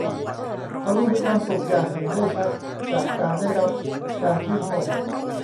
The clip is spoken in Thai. เขาดูมีความสุขอย่างเห็นได้ชัดจากการได้รับการชื่นชม